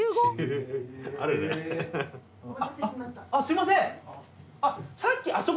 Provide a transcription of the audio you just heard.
すいません。